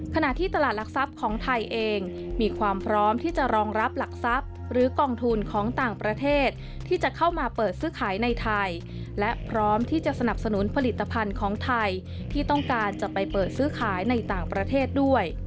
ขณะที่ตลาดหลักทรัพย์ของไทยเองมีความพร้อมที่จะรองรับหลักทรัพย์หรือกองทุนของต่างประเทศที่จะเข้ามาเปิดซื้อขายในไทยและพร้อมที่จะสนับสนุนผลิตภัณฑ์ของไทยที่ต้องการจะไปเปิดซื้อขายในต่างประเทศด้วย